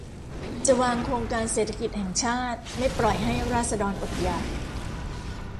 จะวางโครงการเศรษฐกิจแห่งชาติ ไม่ปล่อยให้ราษฎรอดอยาก